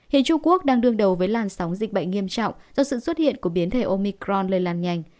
hiện trung quốc đang đương đầu với làn sóng dịch bệnh nghiêm trọng do sự xuất hiện của biến thể omicron lây lan nhanh